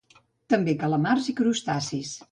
També calamars i crustacis.